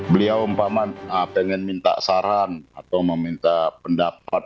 beliau umpama pengen minta saran atau meminta pendapat